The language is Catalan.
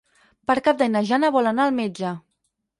Per Cap d'Any na Jana vol anar al metge.